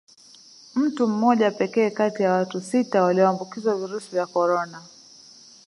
Mtu mmoja pekee kati ya watu sita walioambukizwa virusi vya Corona